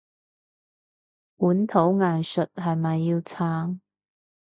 本土藝術係咪要撐？